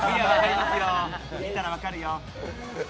見たら分かるよ！